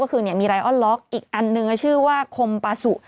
ก็คือมีไลออนล็อกอีกอันหนึ่งชื่อว่าคมปาสุ